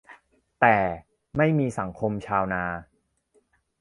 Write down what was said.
แต่ "ไม่มีสังคมชาวนา"